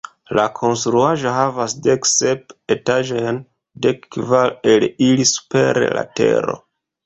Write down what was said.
La konstruaĵo havas dek sep etaĝojn, dek kvar el ili super la tero.